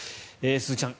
鈴木さん